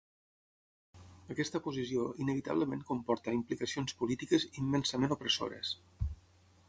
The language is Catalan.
Aquesta posició inevitablement comporta implicacions polítiques immensament opressores.